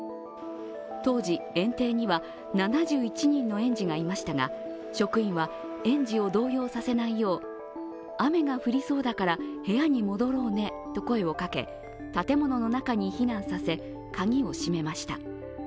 当時、園庭には７１人の園児がいましたが職員は、園児を動揺させないよう雨が降りそうだから部屋に戻ろうねと声をかけ建物の中に避難させ鍵をしめました。